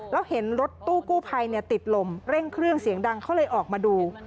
แล้วเห็นรถตู้กู้ภัยติดลมเร่งเครื่องเสียงดังเขาเลยออกมาดู